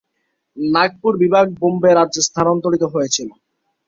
নাগপুর বিভাগ বোম্বে রাজ্যে স্থানান্তরিত হয়েছিল।